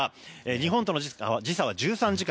日本との時差は１３時間。